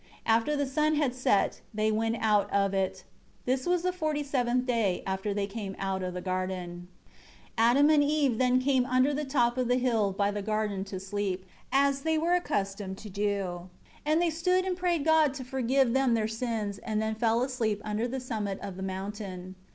After the sun had set, they went out of it. This was the forty seventh day after they came out of the garden. 5 Adam and Eve then came under the top of hill by the garden to sleep, as they were accustomed. 6 And they stood and prayed God to forgive them their sins, and then fell asleep under the summit of the mountain.